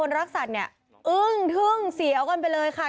รักสัตว์เนี่ยอึ้งทึ่งเสียวกันไปเลยค่ะ